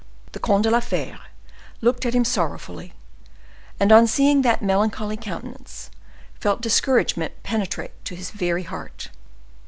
The Comte de la Fere looked at him sorrowfully, and on seeing that melancholy countenance, felt discouragement penetrate to his very heart.